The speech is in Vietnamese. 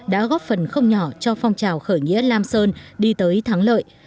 đã góp phần không nhỏ cho phong trào khởi nghĩa lam sơn đi tới thắng lợi